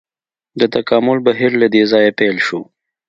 د تکامل بهیر له دې ځایه پیل شو.